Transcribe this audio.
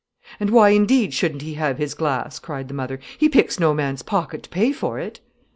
"And why indeed shouldn't he have his glass?" cried the mother. "He picks no man's pocket to pay for it!"